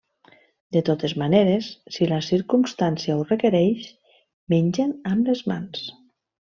De totes maneres, si la circumstància ho requereix, mengen amb les mans.